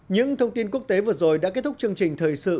những thông tin quốc tế vừa rồi đã kết thúc chương trình thời sự